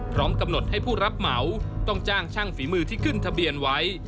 พร้อมกำหนดให้ผู้รับเหมาต้องจ้างช่างฝีมือที่ขึ้นทะเบียนไว้